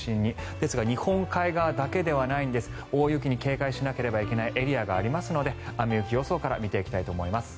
ですが、日本海側だけではないんです。大雪に警戒しなければいけないエリアがありますので雨・雪予想から見ていきたいと思います。